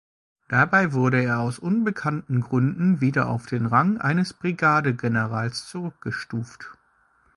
Dabei wurde er aus unbekannten Gründen wieder auf den Rang eines Brigadegenerals zurückgestuft.